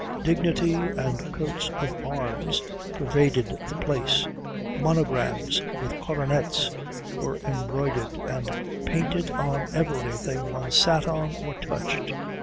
Dignity and coats of arms pervaded the place. Monograms with coronets were embroidered and painted on everything one sat on or touched.